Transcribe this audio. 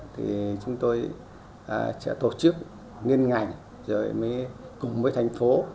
thì chúng tôi sẽ tổ chức liên ngành rồi mới cùng với thành phố